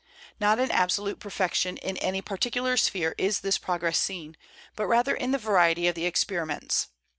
Not in absolute perfection in any particular sphere is this progress seen, but rather in the variety of the experiments.